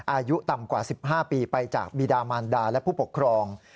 อายุต่ำกว่า๑๕ปีไปจากบีดามานดาและผู้ปกครอง